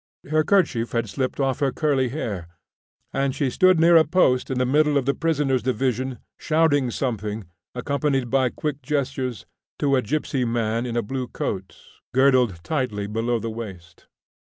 Her kerchief had slipped off her curly hair, and she stood near a post in the middle of the prisoner's division, shouting something, accompanied by quick gestures, to a gipsy man in a blue coat, girdled tightly below the waist.